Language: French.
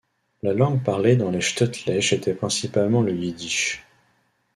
La langue parlée dans les shtetlech était principalement le yiddish.